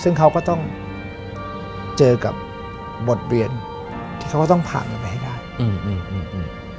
ซึ่งเขาก็ต้องเจอกับบทเรียนที่เขาก็ต้องผ่านมันไปให้ได้อืมนี่นี่